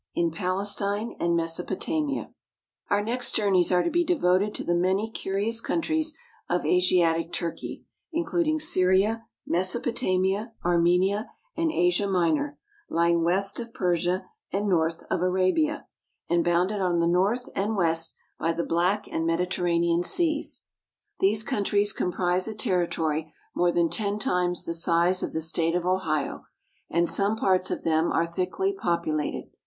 IN PALESTINE AND MESOPOTAMIA OUR next journeys are to be devoted to the many cu rious countries of Asiatic Turkey, including Syria, Mesopotamia, Armenia, and Asia Minor, lying west of 348 ASIATIC TURKEY PALESTINE SCALE OF MILES 10 20 80 Persia and north of Arabia, and bounded on the north and west by the Black and Mediterranean seas. These countries comprise a territory more than ten times the size of the state of Ohio, and some parts of them are thickly populated.